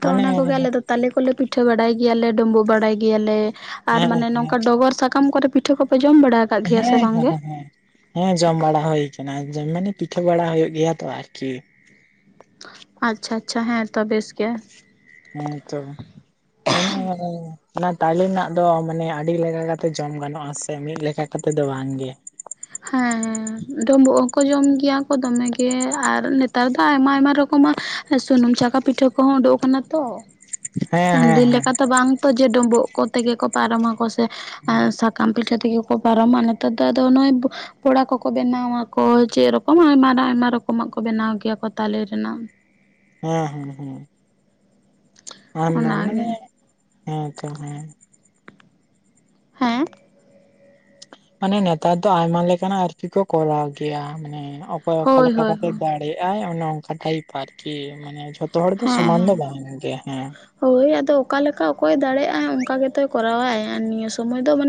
ᱛᱚ ᱢᱟᱱᱮ ᱚᱱᱟ ᱦᱮᱸ ᱠᱚᱜᱮ ᱟᱞᱮ ᱫᱚ ᱛᱟᱞᱮ ᱠᱚᱞᱮ ᱯᱤᱴᱷᱟᱹ ᱵᱟᱲᱟᱭ ᱜᱮᱭᱟᱞᱮ ᱰᱩᱸᱵᱩᱜ ᱵᱟᱲᱟᱭ ᱜᱮᱭᱟᱞᱮ᱾ ᱟᱨ ᱦᱮᱸ ᱢᱟᱱᱮ ᱱᱚᱝᱠᱟ ᱰᱚᱜᱚᱨ ᱥᱟᱠᱟᱢ ᱠᱚᱨᱮ ᱯᱤᱴᱷᱟᱹ ᱠᱚᱯᱮ ᱡᱚᱢ ᱵᱟᱲᱟ ᱟᱠᱟᱫ ᱜᱮᱭᱟ ᱥᱮ ᱦᱮᱸ ᱦᱮᱸ ᱵᱟᱝᱜᱮ ᱦᱮᱸ᱾ ᱦᱮᱸ ᱡᱚᱢ ᱵᱟᱲᱟ ᱦᱩᱭ ᱠᱟᱱᱟ ᱢᱟᱱᱮ ᱯᱤᱴᱷᱟᱹ ᱵᱟᱲᱟ ᱦᱩᱭᱩᱜ ᱜᱮᱭᱟ ᱛᱚ ᱟᱨᱠᱤ᱾ ᱟᱪᱪᱷᱟ ᱟᱪᱪᱷᱟ ᱦᱮᱸ ᱛᱚ ᱵᱮᱥ ᱜᱮ᱾ ᱦᱮᱸᱛᱚ ᱢᱟᱱᱮ ᱚᱱᱟ ᱛᱟᱞᱮ ᱨᱮᱱᱟᱜ ᱫᱚ ᱢᱟᱱᱮ ᱟᱹᱰᱤ ᱞᱮᱠᱟ ᱠᱟᱛᱮᱜ ᱡᱚᱢ ᱜᱟᱱᱚᱜ ᱟ ᱥᱮ ᱢᱤᱫ ᱞᱮᱠᱟ ᱠᱟᱛᱮ ᱫᱚ ᱵᱟᱝᱜᱮ᱾ ᱦᱮᱸ ᱰᱳᱵᱳᱜ ᱦᱚᱸᱠᱚ ᱡᱚᱢ ᱜᱮᱭᱟ ᱠᱚ ᱫᱚᱢᱮᱜ ᱜᱮ ᱟᱨ ᱱᱮᱛᱟᱨ ᱫᱚ ᱟᱭᱢᱟ ᱟᱭᱢᱟ ᱨᱚᱠᱚᱢᱟᱜ ᱥᱩᱱᱩᱢ ᱪᱟᱠᱟ ᱯᱤᱴᱷᱟᱹ ᱠᱚᱦᱚᱸ ᱩᱰᱩᱠ ᱠᱟᱱᱟ ᱛᱚ, ᱦᱮᱸ ᱩᱱ ᱦᱮᱸ ᱫᱤᱱ ᱦᱮᱸ ᱞᱮᱠᱟᱛᱮ ᱵᱟᱝᱛᱚ ᱡᱮ ᱰᱳᱵᱳᱜ ᱠᱚᱛᱮᱜᱮ ᱠᱚ ᱯᱟᱨᱚᱢᱟᱠᱚ ᱥᱮ ᱮᱸ ᱥᱟ ᱠᱟᱢ ᱯᱤᱴᱷᱟ ᱛᱮᱜᱮ ᱠᱚ ᱯᱟᱨᱚᱢᱟ ᱱᱮᱛᱟᱨ ᱫᱚᱫᱚ ᱱᱚᱜᱼᱚᱭ ᱯᱚᱲᱟ ᱠᱚᱠᱚ ᱵᱮᱱᱟᱣᱟᱠᱚ ᱪᱮ ᱨᱚᱠᱚᱢ ᱟᱭᱢᱟ ᱟᱭᱢᱟ ᱨᱚᱠᱚᱢᱟᱜ ᱠᱚ ᱵᱮᱱᱟᱣ ᱜᱮᱭᱟ ᱠᱚ ᱛᱟᱞᱮ ᱨᱮᱱᱟᱜ᱾ ᱦᱮᱸ ᱦᱮᱸ ᱦᱮᱸ᱾ <inaudible> ᱢᱟᱱᱮ ᱚᱱᱟᱜᱮ ᱦᱮᱸ ᱛᱚ ᱦᱮᱸ᱾ ᱦᱮᱸ? ᱢᱟᱱᱮ ᱱᱮᱛᱟᱨ ᱫᱚ ᱟᱭᱢᱟ ᱞᱮᱠᱟᱱᱟᱜ ᱟᱨᱠᱤ ᱠᱚ ᱠᱚᱨᱟᱣ ᱜᱮᱭᱟ, ᱢᱟᱱᱮ ᱚᱠᱚᱭ ᱚᱠᱟ ᱦᱳᱭ ᱞᱮᱠᱟ ᱦᱳᱭ ᱠᱟᱛᱮᱜ ᱦᱮᱸ ᱫᱟ ᱞᱟᱹᱭᱮᱜ-ᱟᱭ ᱚᱱᱮ ᱚᱝᱠᱟ ᱴᱟᱭᱤᱯ ᱟᱨᱠᱤ, ᱢᱟᱱᱮ ᱡᱷᱚᱛᱚ ᱦᱚᱲ ᱫᱚ ᱥᱚᱢᱟᱱ ᱫᱚ ᱦᱮᱸ ᱵᱟᱝ ᱜᱮᱭᱟ ᱦᱮᱸ᱾ ᱦᱳᱭ ᱟᱫᱚ ᱚᱠᱟ ᱞᱮᱠᱟ ᱚᱠᱚᱭ ᱫᱟᱲᱮᱭᱟᱜ-ᱟᱭ ᱚᱝᱠᱟ ᱜᱮᱛᱚᱭ ᱠᱚᱨᱟᱣᱟᱭ ᱟᱨ ᱱᱤᱭᱟᱹ ᱥᱚᱢᱚᱭ ᱫᱚ ᱢᱟᱱᱮ